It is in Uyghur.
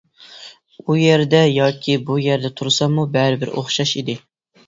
ئۇ يەردە ياكى بۇ يەردە تۇرساممۇ بەرىبىر ئوخشاش ئىدى.